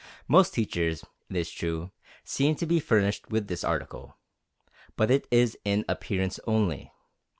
Most teachers, it is true, seem to be furnished with this article. But it is in appearance only.